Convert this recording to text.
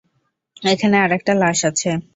এখানে আরেকটা লাশ আছে।